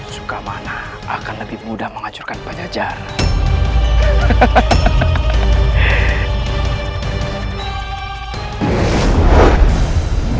suka mana akan lebih mudah menghancurkan pajajaran